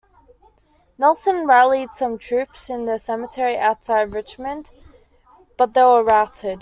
Nelson rallied some troops in the cemetery outside Richmond, but they were routed.